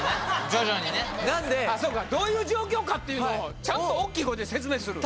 徐々にねあっそうかどういう状況かっていうのをちゃんと大きい声で説明する